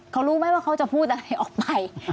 เขารู้ไหมว่าเขาจะพูดอะไรออกไป